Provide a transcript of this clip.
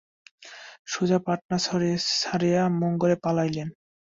সুজা পাটনা ছাড়িয়া মুঙ্গেরে পলাইলেন।